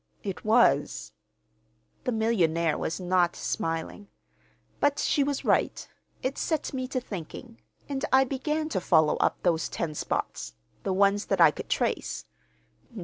"It was." The millionaire was not smiling. "But she was right. It set me to thinking, and I began to follow up those ten spots—the ones that I could trace.